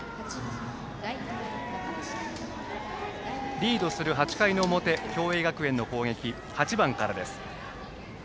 リードする８回の表共栄学園の攻撃は８番からです。